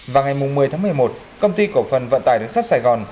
và ngày một mươi tháng một mươi một công ty cổ phần vận tài nước sắt sài gòn